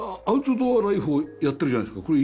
アウトドアライフをやってるじゃないですか。